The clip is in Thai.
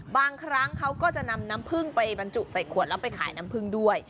บางครั้งเขาก็จะนำน้ำพึ่งไปบรรจุใส่ขวดแล้วไปขายน้ำพึ่งด้วย